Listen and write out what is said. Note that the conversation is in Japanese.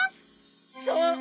そう！